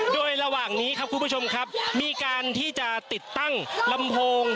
โดยระหว่างนี้ครับคุณผู้ชมครับมีการที่จะติดตั้งลำโพง